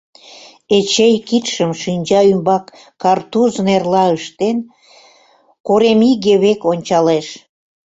Эчей кидшым шинча ӱмбак картуз нерла ыштен, коремиге век ончалеш.